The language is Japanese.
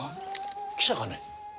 記者かね？